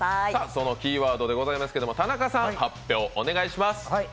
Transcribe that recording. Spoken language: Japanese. そのキーワードでございますけれどもど、田中さん、発表をお願いします。